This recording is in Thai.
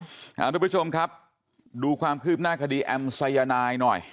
สวัสดีครับทุกผู้ชมครับดูความคืบหน้าคดีแอมไซยานายหน่อย